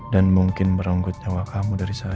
dan mungkin merenggut nyawa kamu dari saya